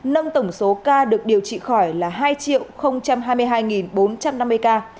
nâng tổng số ca được điều trị khỏi là hai hai mươi hai bốn trăm năm mươi ca